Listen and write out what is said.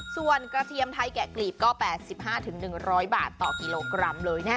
ส่วนกระเทียมไทยแกะกลีบก็๘๕๑๐๐บาทต่อกิโลกรัมเลยแน่